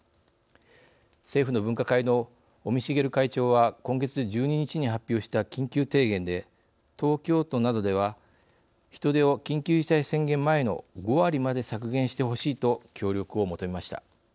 政府の分科会の尾身茂会長は今月１２日に発表した緊急提言で東京都などでは人出を緊急事態宣言前の５割まで削減してほしいと協力を求めました。